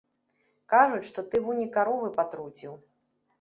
Кажуць, што ты вунь і каровы патруціў.